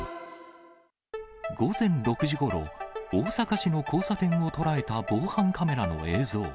午前６時ごろ、大阪市の交差点を捉えた防犯カメラの映像。